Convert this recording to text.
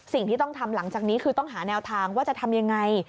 สิ่งที่ต้องทำหลังจากนี้คือต้องหาแนวทางว่าจะทำยังไง